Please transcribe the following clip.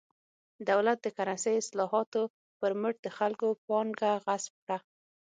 دولت د کرنسۍ اصلاحاتو پر مټ د خلکو پانګه غصب کړه.